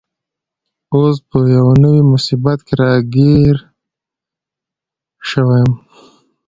اوس په یوه نوي مصیبت کي راګیر شوی یم.